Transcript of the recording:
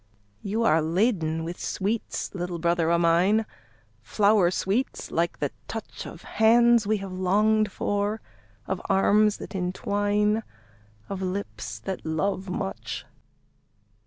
You are laden with sweets, little brother of mine, Flower sweets, like the touch Of hands we have longed for, of arms that entwine, Of lips that love much.